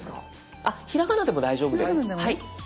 あっひらがなでも大丈夫です。